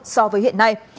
so với hiện nay